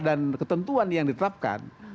dan ketentuan yang ditetapkan